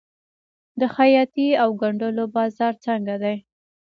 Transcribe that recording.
د خیاطۍ او ګنډلو بازار څنګه دی؟